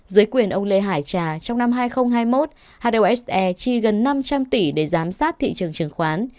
dưới quyền ông lê hải trà trong năm hai nghìn hai mươi một hose chi gần năm trăm linh tỷ để giám sát thị trường chứng khoán